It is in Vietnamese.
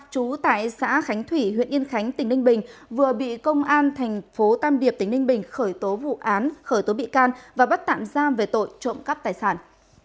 chú tại xã khánh thủy huyện yên khánh tỉnh ninh bình vừa bị công an thành phố tam điệp tỉnh ninh bình khởi tố vụ án khởi tố bị can và bắt tạm giam về tội trộm cắp tài sản